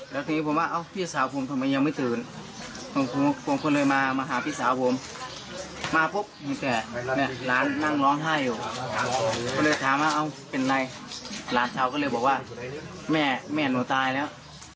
ถามว่าเป็นอะไรหลานเช้าก็เลยบอกว่าแม่หนูตายแล้ว